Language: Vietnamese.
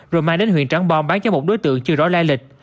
rồi mang đến huyện trắng bom bán cho một đối tượng chưa rõ lai lịch